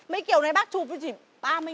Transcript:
mấy kiểu này bác chụp chỉ ba mươi nghìn ba cái thôi